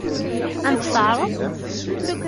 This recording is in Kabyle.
Ad m-tt-teɛṛeḍ?